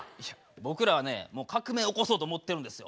僕らはねもう革命起こそうと思ってるんですよ。